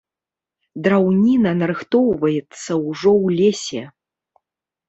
Драўніна нарыхтоўваецца ўжо ў лесе.